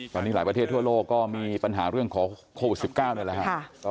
ตอนนี้หลายประเทศทั่วโลกก็มีปัญหาเรื่องของโควิด๑๙นี่แหละครับ